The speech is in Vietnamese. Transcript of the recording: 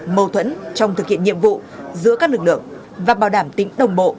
mâu thuẫn trong thực hiện nhiệm vụ giữa các lực lượng và bảo đảm tính đồng bộ